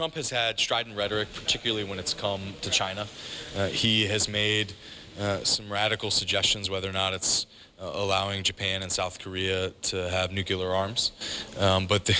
นายโพทิเชีโอนั้นบอกว่าคาดเดาได้ยากครับ